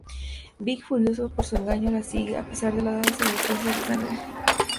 Vic, furioso por su engaño, la sigue, a pesar de las advertencias de sangre.